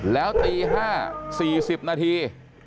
แล้วตี๕๔๐นาที